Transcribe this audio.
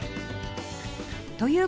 という